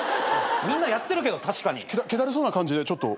みんなやってるけど確かに。気だるそうな感じでちょっと。